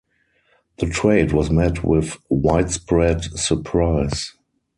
The trade was met with widespread surprise.